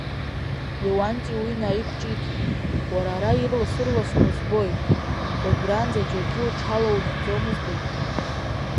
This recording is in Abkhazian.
Леуанти уи наиқәҿиҭит, уара ара ирлас-ырласны узбоит, уажәраанӡа џьаргьы уҽҳалаурхәӡомызтеи.